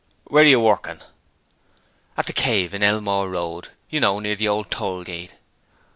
'Where are you working?' 'At "The Cave" in Elmore Road. You know, near the old toll gate.'